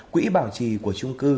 quỹ bảo trì của trung cư